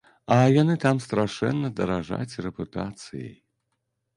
А яны там страшэнна даражаць рэпутацыяй.